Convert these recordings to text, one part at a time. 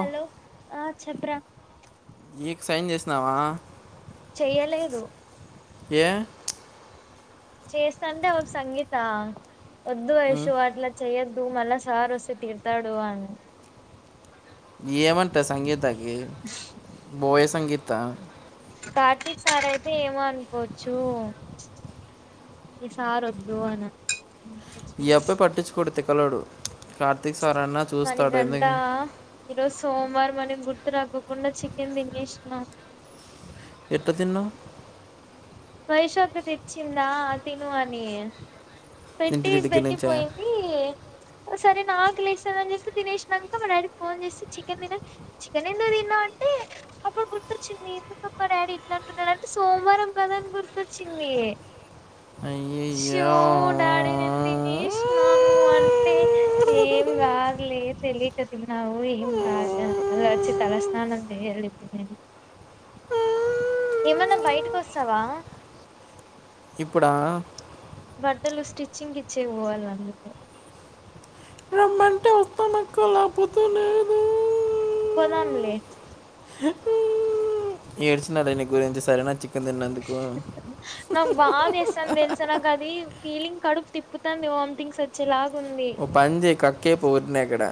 Hello ఆ చెప్పురా ఏక్ సైన్ చేసినావా చెయ్యలేదు ఏ చేస్తా అంటే ఒక సంగీత వద్దు ఉమ్, వైషూ అట్లా చెయ్యొద్దు మల్ల సార్ వస్తే తిడతాడు అని ఏమంటా సంగీతాకి బోయ సంగీత కార్తీక్ సార్ అయితే ఏమో అనుకోవచ్చు ఈసారి వద్దు అనీ అంది ఈ అప్ప పట్టించుకోడు తికలోడు కార్తీక్ సారన్నా చూస్తాడు మనకంట ఎందుకు ఈరోజు సోమవారం మనే గుర్తు రాకుండా చికెన్ తినేసిన ఎట్ట తిన్నావ్ వైషు అక్క తెచ్చిందా తిను అని పెట్టి ఇంటి దగ్గర పెట్టి నుంచా పోయింది ఈ సరే నాక్ లేసఅన్ జేప్పి తినేష్ నంక మా డాడీక్ ఫోన్ జేసి చికెన్ దిన చికెన్ ఎందుక్ దిన్నవంటే హిహ్య అప్పుడు గుర్తొచ్చింది ఎందుకమ్ మా డాడీ ఇట్లా అంటున్నడంటే సోమ్ వారం పదన్ గుర్ తోచ్చింది ఇ షో అయ్యయ్యో ఓ డాడినిన్ తినేష్ నాను అంటే ఏం కాద్ లే తెలికా తిన్నావు ఏం కాద్య మళ్ళొచ్చి తలస్నానం జేయలిప్నేన ఆ ఆ ఏమన్నా బైటికోస్సవా ఇప్పుడా ఆ బట్టలు స్టిచ్చింగిచ్చే బోవాలందుకు ఒక్కో లాపోతే నేను కొనన్ లే ఏడ్చ్ నాదే నీ గోరంతు సరేనా చికేన్ దిన్నందుకు నాక్ బాదేస్తాంది దేల్సా నాక్ అది ఫీలింగ్ కడుపు తిప్పుతాంది వామ్ తింగ్స్ వచ్చేలాగ్ ఓ పన్ జెయ్ కకై పోర్ న్యాకడ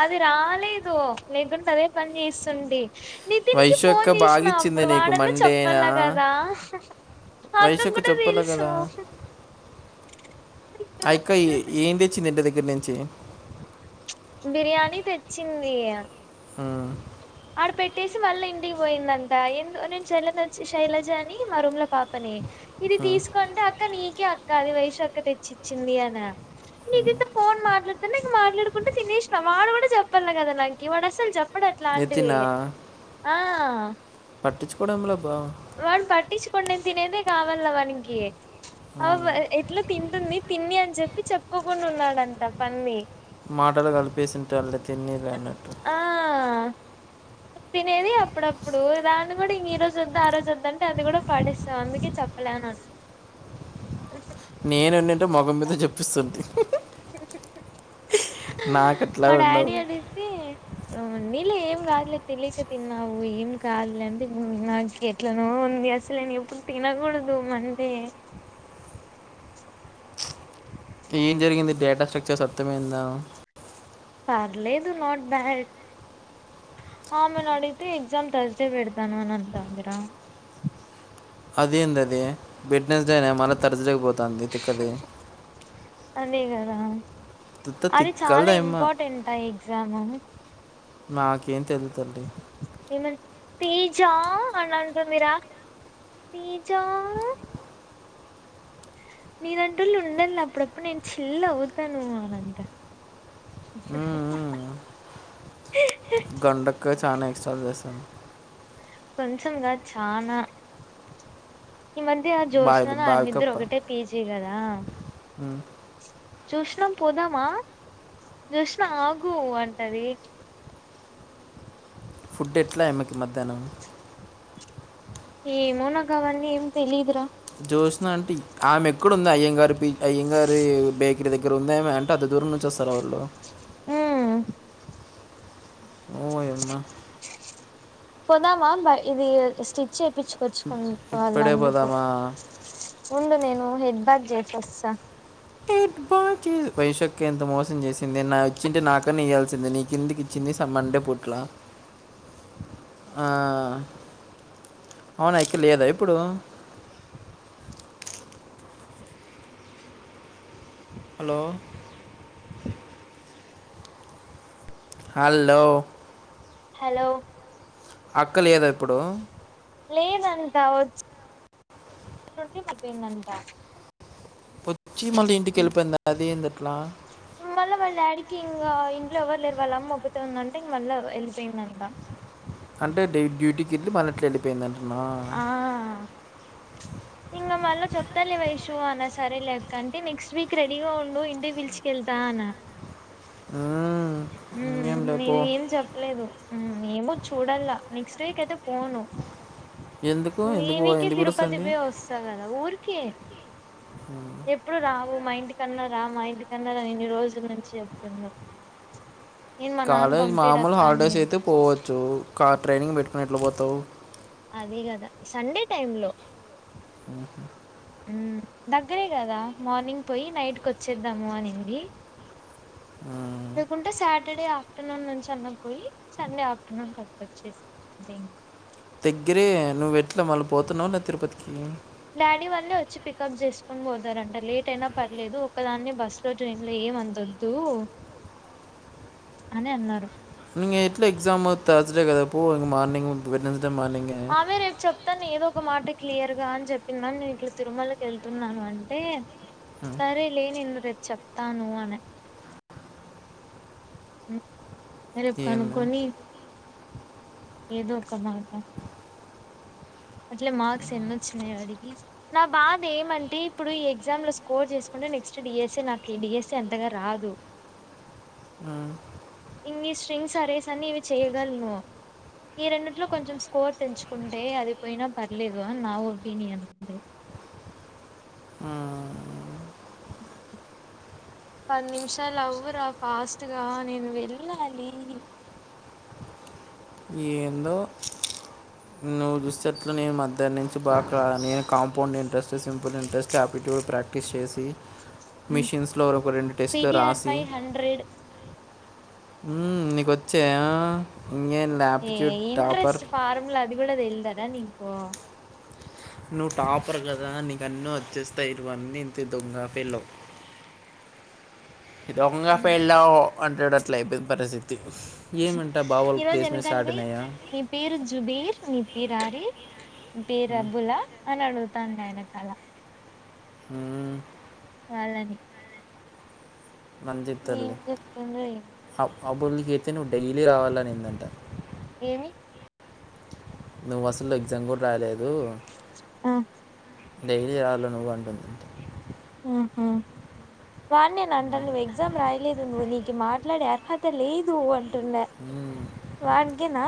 అది రాలేదు లేకుంటే అదే పన్ జేస్సుండి నితిన్ కి వైశ్య అక్క ఫోన్ జేష్ బాగా నా ఇచ్చింది అప్పుడు నీకు వాడన్నా మండేనా చెప్పలా గదా హ్ హ్ వైశ్య మక్కకు అక్క గుడా చెప్పలే తెల్సు కదా హ్ ఐకోయి ఏం దేచ్చింది ఇంటి దేగ్గర నుంచి బిర్యానీ తెచ్చింది హియా ఉమ్, ఆడ పెట్టేసి మళ్ళ ఇంటిక్ పోయిందంట ఎందు నేన్ చెల్లనోచ్చి శైలజ అని మా రూమ్ లో పాపని హే ఇది ఉమ్. తీస్ కొండా అక్క నీకే అక్క అది వైషు అక్క తెచ్చిచ్చింది అన మీగ్ తా ఫోన్ మాట్లాడుతునింగ్ మాట్లాడుకుంట తినేష్ నా వాడు గూడా సేప్పాన్నగదా నాంకి వాడస్సల్ చెప్పడట్లా ఇవి నితినా ఆ ఆ పట్టింకోడెమ్ లే బా వాడ్ పట్టించుకోండ్ నేన్ తినేదే గావాల్న వానిగి ఔవ్య ఎట్లుబ్ తింటుంది తిన్ని అన్ జేప్పి చెప్ కోకుండ్ ఉన్నాడంట పంది మాటల్ కల్ పేసింత్ తల్లే తిన్నిలే అన్నట్టు ఆ తినేది అప్పుడప్పుడు దాన్ని కూడా ఈ రోజోద్దా ఆ రోజోద్దు అంటే అది గూడా పడేస్స అందుకే చెప్పలే ఆనండు ఉహ్ నేనుండుంటే మొకం మీద జేప్పేస్తుంటి ఉహ్ ఉహు్హ్ నాకు హ అట్లా మా ఉండవు డాడీ అడిగితే ఉమ్ ఉండిలే ఏం కాద్ లే తెలిక తిన్నావు ఏం కాదులే అంటే ఉమ్ నాకేట్లనొవుంద్ నేన్ అస్సలేన్ ఎప్పుడు తినకూడదు మండే ఏం జరిగింది డేటా సేక్చర్స్ అర్థమైందా పర్లేదు నాట్ బ్యాడ్ ఆమెనడిగితే ఎగ్ జామ్ తర్స్ డే పెడతాను అనంటందిరా అదేందీ అది వేడ్ నడ్స్ డే అనే మళ్ళ తర్స్ డే పోతంది తిక్కది అదే కదా తిత్త అది చాలా తిక్కలదేమ్మ ఇంపాటెంట ఆ ఎగ్ జాము నాకేమ్ తెల్ తల్లి ఏమని తేజా అనంటుంది రా తేజా నేలంటోళ్ ఉండల అప్పుడపుడు నేన్ చీల్ ఔతాను అనంట మ్మ్. ఇస్టాల్ చేస్తాను కనీసం ఇంగా చానా ఈ మధ్య ఆ బాయిలు జ్యోష్నను ఆమె ఇద్దరు ఒకటే పీజీ కదా ఉ జోష్ణ పోదామా జోష్ణ ఆగు అంటది ఫుడ్ ఎట్ల ఆమెకి మధ్యాహ్నం ఏమో నాకుఅవన్నీ ఏం తెలిదురా జోష్న అంటే ఆమె ఎక్కడుంది అయ్యంగారు పీ అయ్యంగారు బేక్ ఇంటి దగ్గర ఉందేమో అంటే అంత దూరం నుంచి వస్తారు వాళ్ళు ఊ ఓ అమ్మ పోదామా బ ఇది స్టిచ్ చేపిచ్చుకొచ్చుకు వాళ్ళ ఇప్పుడే అందుకు పోదామా ఉండు నేను హెడ్ బాత్ జెసోస్తా బా వైశక్క ఎంత మోసం చేసింది నా వచ్చింటే నాకన్న ఇయాల్సింది నీ కిందికి ఇచ్చింది సంబంధ అండేపూట్లా ఆ అవున ఆయక్క లేదా ఇప్పుడు హలో హల్లో హలో ఆ అక్క లేదా ఇప్పుడు లేదంట వ మందంట [unintelligible] చీమ మాళ ఇంటికిళ్ళిపోయింది అది ఎందట్లా ఇంగ ఇంట్లో ఎవ్వరు లేరు వాళ్ళ అమ్మ ఒక్కుతే ఉందంటే ఇంగా వళ్ళ వెళ్ళిపోయిందంట అంటే డ డ్యూటీకి ఎల్లి మల్ల ఎట్లా వెళ్ళిపోయిందండి ఆ ఇంగ మళ్ళ చెప్తాలే వైషూ అన్నా సరే లేక్క అంటే నెక్స్ట్ వీక్ రెడీగా ఉండు ఇంటి పిల్చికెళ్తా అనా హా హూ నే ఏం చెప్పలేదు ఏమో చూడల్లా నెక్స్ట్ వీక్ అయితే పోను ఎందుకు ఈ ఎందుకు పో- వీకే ఎందుకు తిరుపతి పిలుస్తుంది పోయి వస్తా కదా ఊరికి ఎప్పుడు రావు మా ఇంటి కన్నా రా మా ఇంటి కన్నా రా ఇన్ని రోజుల నుంచి చెప్తన్నారు కాలేజ్ మామూలు అని హాలిడేస్ నేను అయితే పోవచ్చు ట్రైనింగ్ పెట్టుకుని ఎట్లా పోతావు అదే కదా సండే టైమ్ లో ఆహ ఉ దగ్గరే కదా మార్నింగ్ పోయి నైట్కి వచ్చేద్దాము అనింది ఆ లేకుంటే సాటర్డే ఆఫ్టర్నూన్ నుంచి అన్న పోయి సండే ఆఫ్టర్నూన్ కట్ వచ్చేసి జ దగ్గరే నువ్వు ఎట్లా మళ్ళ పోతున్నావ తిరుపతికి డాడీ వాళ్లే వచ్చి పికప్ చేసుకుని పోతారంట లేట్ అయినా పర్లేదు ఒక్కదాన్ని బస్ లో ట్రైన్ లో ఏమి అంత వద్దు అని అన్నారు ని ఎట్లా ఎక్జామ్ తర్సడే కదా పో మార్నింగ్ వెడ్నెస్డే మార్నింగే తను ఏదో ఒక మాట క్లియర్ గా అని చెప్పిందని నేను ఇట్లా తిరుమలకి వెళ్తున్నాను అంటే సరేలే నేను రేపు చెప్తాను అనే అ రేపు ఏందా కనుక్కొనీ ఏదో ఒక మాట అట్లే మార్క్స్ ఎన్న వచ్చినాయి అడిగి నా బాధ ఏమంటే ఇప్పుడు ఈ ఎగ్జామ్ లో స్కోర్ చేసుకుంటే నెక్స్ట్ డిఎస్స నాకు ఈ డిఎస్ఏ అంతగా రాద అ ఇంన్ని స్ట్రింగ్ ఆరేస్ అని ఇవి చేయ్యగలను ఈ రెండింటిలో కొంచెం స్కోర్ తెంచుకుంటే అది పోయినా పర్లేదుని నా ఒపీనియన్ అండి మ్మ్. పది నిమిషాలు అవ్వరా ఫాస్ట్గా నేను వెళ్ళాలి ఉదు సట్లనే మద్దాన్ నుంచి బాగా నే కాంపౌండ్ ఇంట్రెస్సేసివ్ వే అప్పులు ఇంట్రెస్ట్ ఆప్పిట్యూడ్ ప్రాక్టీస్ చేసి మిషిన్స్లోరొక రెండు టెస్టులు సిటిఆర్ రాసి పై హండ్రెడ్ ఉమ్ నీకొచ్చా ఇంకేం ఏ ల్యాప్ట్యూడ్ టాపర్ ఇంట్రెస్ట్ ఫార్ములా అది కూడా తేల్దారా నీకు? నువ్వు టాపర్ కదా నీకన్ను వచ్చేస్తా ఇరువన్నీ నంత దొంగ ఫేలవు దొంగ ఫెల్లో అంటాడు అట్ల అయిపోయింది పరిస్థితి ఏమంట బావాళకు ఈరోజు ప్లేసెమెంట్స్ ఎనకాల స్టార్ట్ పోయి అయినాయా? నీ పేరు జుబీర్ నీ పేరు ఆరి పేరు అబ్బులా అని అడుగుతాను ఆయన కాల "మ్మ్, వాళ్ళని నంద ఏం చెప్తరులే చెప్తుండ్రో ఏమో అ అబ్బులు నికి అయితే నువ్వు డైలీ రావాలనిందంట. ఏమి? నువ్వు అసలు ఎగ్జామ్ కూడా రాయలేదు. ఆ డైలీ రాళ నువ్వు అంటుంది. ఆహా వన్నేనా అంటది నువ్వు ఎగ్జామ్ రాయలేదు. నువ్వు నీకు మాట్లాడే అర్హత లేదు అంటున్నా. వన్గేనా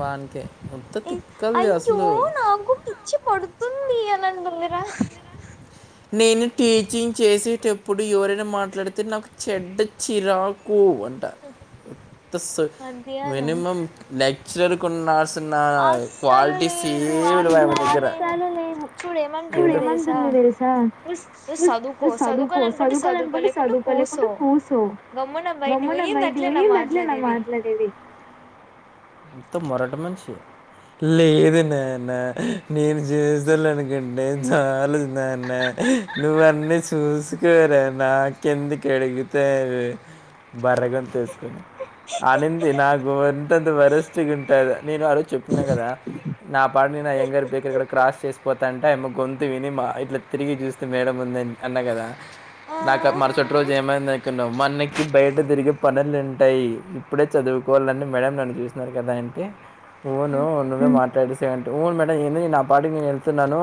వాన్కే ఏ అయ్యో నాకు పిచ్చి పడు తుంది అని అంటుందిరా నేను టీచింగ్ చేసేటప్పుడు ఎవరైనా మాట్లాడితే నాకు చెడ్డ చిరాకు వ డ అంతస్స మధ్యాహ్నం మినిమం లెక్చరర్కున్న తిన్న అస్సలు క్వాలిటీసే లేదు ఏం లేవు ఆమె అస్సలు దగ్గర లేదు చూడు ఏమంటుంది తెలుసా ఏమంటుంది తెలిసా దా నువ్వు నువ్వు చదువుకో నువ్వు చదువుకో చదువుకోవాలనుకుంటే చదువుకోల చదువుకో అనుకుంటే లేకుంటే చదువుకో లేకుంటే కూసో పూసో గమ్మున బయటికి మమ్మనా పోయి ఏంది బయటకు అట్లేనా పోయి నన్నేనా మాట్లాడేది మాట్లాడేది. అంత మొరట మనిషి లేదున్నానా నేను చేసాలనికుంటే చాలు నాన్ నువ్వ అన్నీ చూసుకోరా నాకెందుకు అడిగుతావి బర్రె గొంతు ఏస్కోని అనింది నాకు ఉంత వరిస్టిగా ఉంటది నేను అరు చెప్పతున్నా కదా నా పాడని నా అయ్యంగార్ పర్డ క్రాస్ చేసిపోతా అంటే ఆమ గొంతు విని మా ఇట్లా తిరిగి చూస్తే మేడం ఉందని అన్నా కదా ఆ నాకు మర చుట్ట రోజు ఏమై న్నావు మనకి బయట తిరిగే పనులు ఉంటాయి ఇప్పుడే చదువుకోవాలని మేడం నన్ను చూసినారు కదా అంతే అవును ఉమ్, నువ్వే మాట్లాడే సకంట్ వును మేడం ఏంది నేను నా పాటికి నేను వెళ్తున్నాను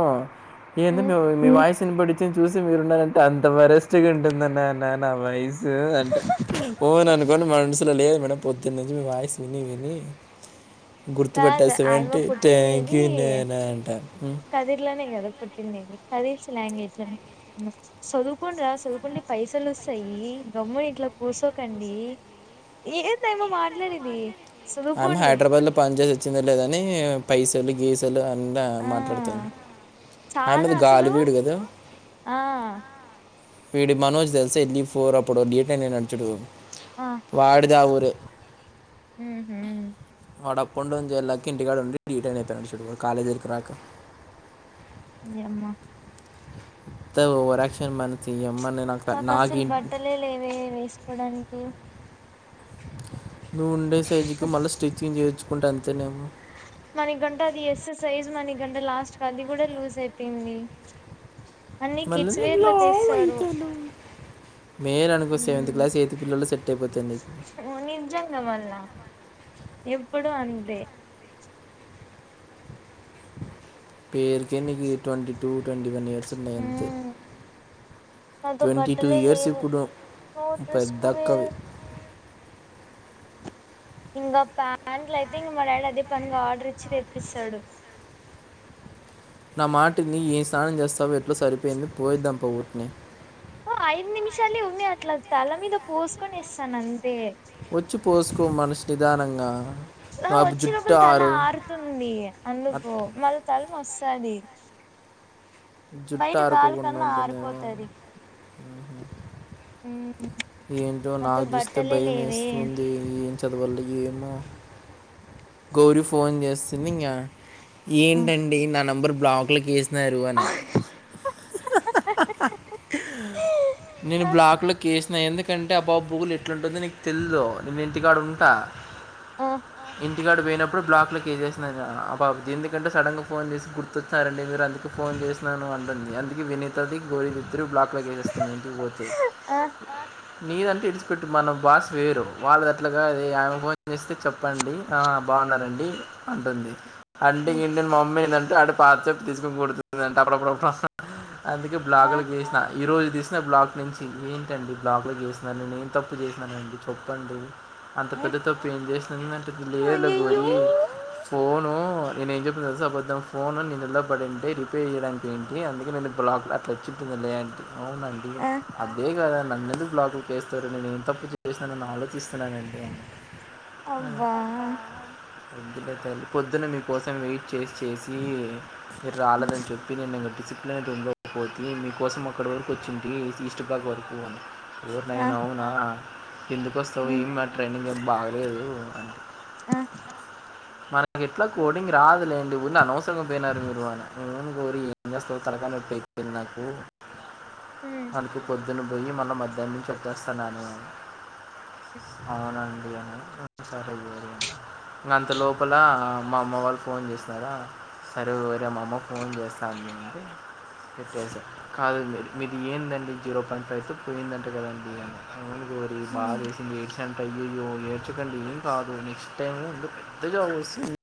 ఏంది ఉమ్. మీ వాయిస్సుని పొడిచి చూసి మీరు ఉన్నారంటే అంత వరెస్ట్గా ఉంటుందని నా వాయిస్ అంట పో నను ఇవన్న మనుసులో లేదు మేడం పొద్దున్న నుంచి మీ వాయిసు విని విని కాదు ఆయమ్మ గుర్తపెట్టేసవంటే థాంక్యూ పుట్టిండేది నాన అంట పుట్టిందండి కదేశ లాంగ్వేజ్ను చదువుకోండ్రా చదువుకుండి పైసలు వస్తయి గమ్ము ఇట్లా కుసోకండి ఏంది ఆమె మాట్లాడేది ఆమె చదువుకోండి హైదరాబాద్ లో పని చేసి వచ్చింద లేదని పైసలు గీసలు ద ఆ మాట్లాడుతాను చానా ఆయమీద గాలి అసలు వీడు కదా ఆ వీడి మనోజ్ తెలుసా వెళ్ళి పోరు అప్పుడు [unintelligible] నడుచుడు ఆ వాడిదావు వె ఉహు వాడు అప్ అండ్ డౌన్ చేయళకి ఇంటికాడ ఉండి రీటైన్ అయిపోయినడు చుడు కాలేజ్ దగర రాక ఇ అమ్మా త ఓవరాక్షన్ మన చెయ్యమ్మ నే నా మాకు నాకు అస్సలు ఇ బట్టలే లేవే వేసుకోవడానికి నువ్వు ఉండే సైజుకి మళ్ళీ స్టిచ్చింగ్ చేయించుకుంటే అంతేనేమో మన గంట అది ఎస్ సైజు మన గంట లాస్ట్ అది కూడా లూజ్ అయిపొంది మ మ అనుకో సెవెంత్ ఉమ్ క్లాస్ ఎయిత్ పిల నిజంగా మళ్ళా ఎప్పుడు అంతే పేరుకే నీకు twenty two twenty one years ఉన్నాయి అంతే ఉమ్ నాతో ట్వంటీ టూ బట్టలే ఇయర్స్ లేవు ఇప్పుడు నో డ్రెస్ టు వేర్ పెద్దక్కవి ఇంగ ప్యాంట్లు అయితే ఇంగ మా డాడీ అదే పనిగా ఆర్డర్ ఇచ్చి తెప్పిస్తాడు నా మాటిని ఏ స్నానం చేస్తా ఎట్లా సరిపోయింది పోయేద్దాంప ఊరికిట్నే ఓ ఐదు నిమిషాలే ఉమి అట్ల తల మీద పోసుకొని ఇస్తాను అంతే వచ్చి పోసుకో మనిషి నిదానంగా ఆ నా వచ్చి జుట్టు లోపల తల ఆరు ఆరుతుంది అట్ అందుకు మళ్ళ తల వస్ స్తది జుట్ట ఆరుకోకుండా ఉంటుందేమో హు ఏంటో నాకు చూస్తే భయం వేస్తుంది ఏం చదవాలి ఏమో గౌరీ ఫోన్ చేస్తుంది ఇంగా ఉమ్. ఏంటండి నా నెంబర్ బ్లాక్ లోకి ఏస్ ఆ నరువనే నేను బ్లాక్ కి ఏస్ ఎందుకంటే అబ్బాబు బుగులు ఎట్లుంటుందో నీకు తెలిదు నవవు ఇంటికాడు ఉంటా ఆ ఇంటికాడు పోయినప్పుడు బ్లాక్లోకి ఏసేసిన ఎందుకంటే సడన్గా ఫోన్ చేసి గుర్తొచ్చినారండి మీరు అందుకు ఫోన్ చేసినాను అంటుంది అందుకు వినితది గోళ ఇద్దరు బ్లాక్లో వేసేస్తుంది ఇంటి కి పోతే ఆ నీదంటే ఇడిచిపెట్టి మన బాస్ వేరు వాళ్ళది అట్లాగా అ ఆమె ఫోన్ చేస్తే చెప్పండి ఆ బాగున్నారండి అంటుంది అండి ఉమ్, ఉమ్, గిండి మా మమ్మీ ఏంటంటే ఆడి పాత తీసుకొని కొడుతుందింటే అప్పుడప్పుడుప్పుడు అందుకే ఆ బ్లాక్ లో పెటేసేసిన ఈ రోజు తీసిన బ్లాక్ నుంచి ఏంటండి బ్లాక్ లో చేసిన నేను ఏం తప్పు చేసిననండి చెప్పండి అంత పెద్ద తప్పు ఏం చేసిన నేను అంటే ఆ లేదు రగు అయ్యయ్యో ఫోను నేను ఏం చెప్తుంది సోబద్ద్దధం ఫోన్ నిేను ఇలబడింటే రిపేర్ చేయడానికి ఏంటి అందుకే నేను బ్లాక్ అలా వచ్చి అవునండి ఆ అదే కదా నను ఎందుకు బ్లాగులు చేేస్తారు నేను ఏం తప్పు చేస్తానని ఆలోచిస్తున్నాను అండి అబ్బా ఒదులే తల్లి పొద్దునే మీకోసం వె చేసి చేసి మీరు రాలేదని చెప్పి ఇగ నేను డిసిప్లినడ్ ఉండకపోతే మీకోసం అక్కడి వరకు వచ్చింటి ఈస్ట్ బాగ్ వరకుని ఫవర్ నైన్ అవునా ఎందుకు వస్తావు ఏమి నా ట్రైనింగ్ ఏం బాగలేదు అంటే ఆ మనకి ఎట్లా కోడింగ్ రాదులేంటిడి ఉన్న అనవసరంగా పోయినారు మీరు రోజు పోయి ఏం చేస్తావు తలకాయ నొప్పి అయిపోయింది నాకు అందుకే పో పొద్దున్నే పోయి మల్ల మధ్యాహ్నం కి వచ్చేస్తున్నాను అని అవునండి అంత [unintelligible] ఇంక అంత లోపల మా అమ్మ వాళ్ళు ఫోన్ చేసినారా సరే వేరే మా అమ్మ ఫోన్ చేస్తాది చె సార్ కాదు మీరు మీది ఏందండి జీరో పాయింట్ ఫైవ్తో పోయిందంటే కదండి అ కోరి ఆ బాగాేసింది ఏడ్సెంట్ అయ్యయో నేర్చకండి ఏం కాదుని ఇష్టైం ఇద్దరికి పెద్ద జాబ్ వస్తుంది